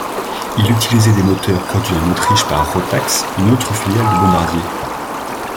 Il utilisait des moteurs produit en Autriche par Rotax, une autre filiale de Bombardier.